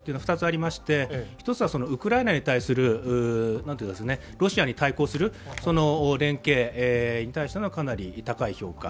日本に対して最近、高い評価は２つありまして、１つはウクライナに対するロシアに対抗する連携に対してのかなり高い評価